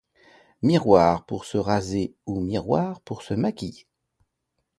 Miroir pour se raser ou miroir pour se maquiller.